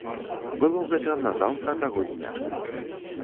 Было гэта назаўтра таго дня.